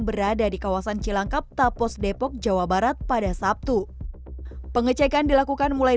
berada di kawasan cilangkap tapos depok jawa barat pada sabtu pengecekan dilakukan mulai